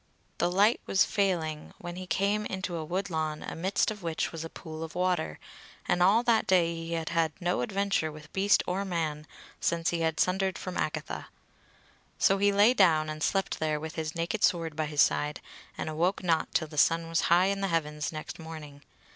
The light was failing when he came into a woodlawn amidst of which was a pool of water, and all that day he had had no adventure with beast or man, since he had sundered from Agatha. So he lay down and slept there with his naked sword by his side, and awoke not till the sun was high in the heavens next morning.